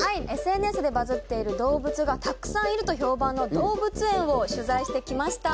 ＳＮＳでバズっている動物がたくさんいると評判の動物園を取材してきました。